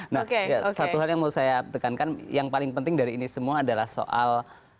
nah satu hal yang mau saya tekankan yang paling penting dari ini semua adalah soal